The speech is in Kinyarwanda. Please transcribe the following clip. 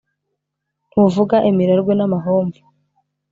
Ntuvuga imirarwe n'amahomvo